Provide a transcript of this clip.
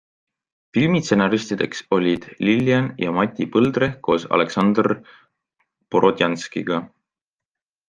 Filmi stsenaristideks olid Lilian ja Mati Põldre koos Aleksandr Borodjanskiga.